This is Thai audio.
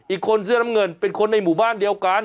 อีกคนเสื้อน้ำเงินเป็นคนในหมู่บ้านเดียวกัน